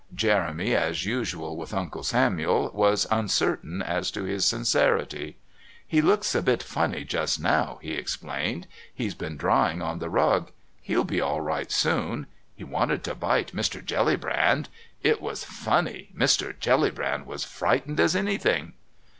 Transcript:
Jeremy, as usual with Uncle Samuel, was uncertain as to his sincerity. "He looks a bit funny just now," he explained. "He's been drying on the rug. He'll be all right soon. He wanted to bite Mr. Jellybrand. It was funny. Mr. Jellybrand was frightened as anything."